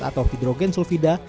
atau hidrogen sulfida